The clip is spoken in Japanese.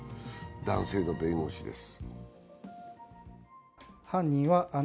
男性の弁護士です。